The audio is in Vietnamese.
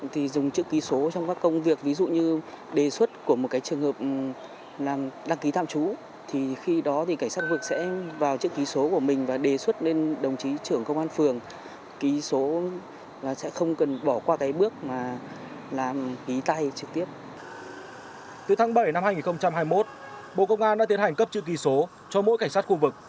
từ tháng bảy năm hai nghìn hai mươi một bộ công an đã tiến hành cấp chữ kỷ số cho mỗi cảnh sát khu vực